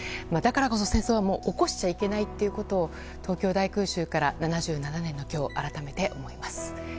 だからこそ戦争は起こしちゃいけないということを東京大空襲から７７年の今日改めて思います。